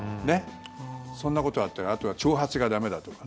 そんなことがあったりあとは長髪が駄目だとか。